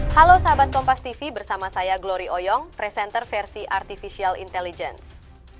halo sahabat kompas tv bersama saya glory oyong presenter versi artificial intelligence